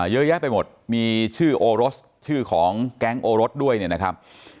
เยอะแยะไปหมดมีชื่อโอรสชื่อของแก๊งโอรสด้วยเนี่ยนะครับ